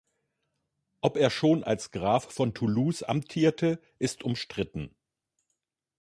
Ob er schon als Graf von Toulouse amtierte ist umstritten.